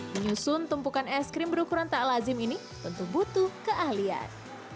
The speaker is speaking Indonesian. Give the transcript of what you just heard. menyusun tumpukan es krim berukuran tak lazim ini tentu butuh keahlian